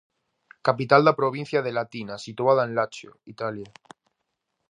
Capital da provincia de Latina, situada en Lacio, Italia.